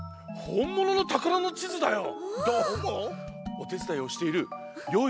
おてつだいをしているよい